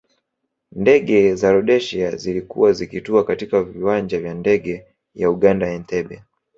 Ndege za Rhodesia zilikuwa zikitua katika viwanja vya ndege vya Uganda Entebbe